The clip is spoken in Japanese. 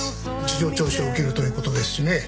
事情聴取を受けるという事ですしね。